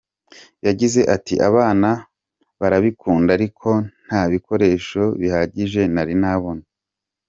Yagize ati “Abana barabikunda ariko nta bikoresho bihagije nari nabona.